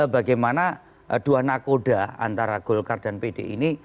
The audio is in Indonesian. bagaimana dua nakoda antara golkar dan pd ini